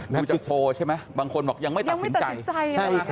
ดูจากโพลใช่ไหมบางคนบอกยังไม่ตัดสินใจใช่ค่ะ